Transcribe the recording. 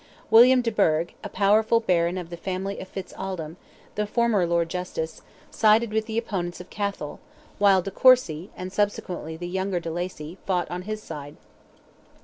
William de Burgh, a powerful Baron of the family of Fitz Aldelm, the former Lord Justice, sided with the opponents of Cathal, while de Courcy, and subsequently the younger de Lacy, fought on his side.